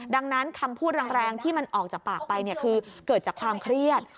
ดังนั้นคำพูดแรงที่มันออกจากปากไปคือเกิดจากความเครียด